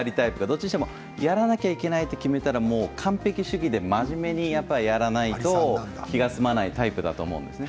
どちらにしてもやらなきゃいけないと決めたら完璧主義で真面目にやらないと気が済まないタイプだと思います。